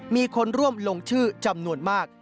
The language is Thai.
มีคนร่วมลงชื่อจำนวนมาก